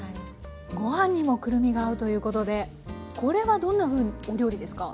ご飯にもくるみが合うということでこれはどんなふうお料理ですか？